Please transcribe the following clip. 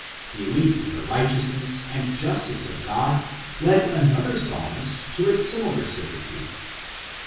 Belief in the righteousness and justice of God led another psalmist to a similar certitude.